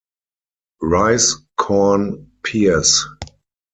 Rice, corn, pears.